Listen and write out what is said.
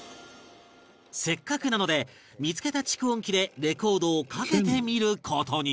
せっかくなので見付けた蓄音機でレコードをかけてみる事に